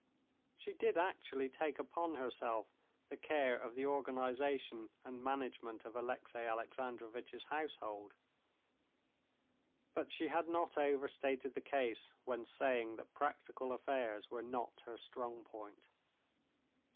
She did actually take upon herself the care of the organization and management of Alexey Alexandrovitch's household. But she had not overstated the case when saying that practical affairs were not her strong point.